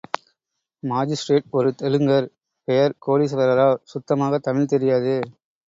Magistrate ஒரு தெலுங்கர், பெயர் கோடீஸ்வர ராவ், சுத்தமாகத் தமிழ் தெரியாது.